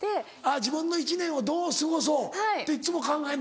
「自分の一年をどう過ごそう」っていっつも考えんの？